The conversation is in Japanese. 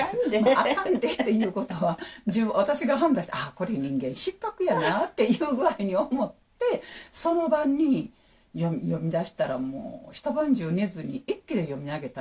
あかんでっていうことは私が判断してああこれ人間失格やなっていう具合に思ってその晩に読みだしたらもう一晩中寝ずに一気に読み上げたんですよ。